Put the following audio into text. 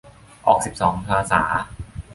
ออกสิบสองภาษา